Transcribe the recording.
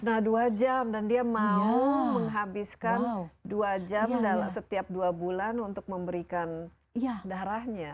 nah dua jam dan dia mau menghabiskan dua jam setiap dua bulan untuk memberikan darahnya